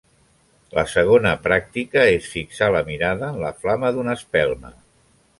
La segona pràctica és fixar la mirada en la flama d'una espelma.